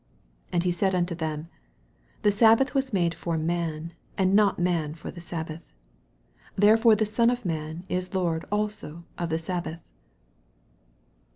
27 And he said unto them, The sabbath was made for man, and not man for the sabbath : 28 Therefore the Son of man is Lord also of the sabbath.